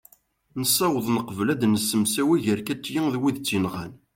nessaweḍ neqbel ad nsemtawi gar katia d wid i tt-yenɣan